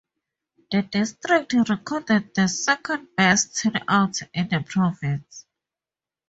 The district recorded the second best turnout in the province.